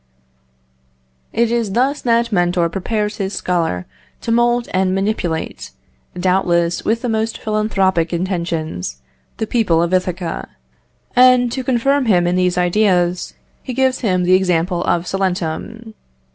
It is thus that Mentor prepares his scholar to mould and manipulate, doubtless with the most philanthropic intentions, the people of Ithaca, and, to confirm him in these ideas, he gives him the example of Salentum.